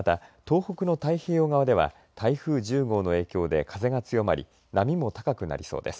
また、東北の太平洋側では台風１０号の影響で風が強まり波も高くなりそうです。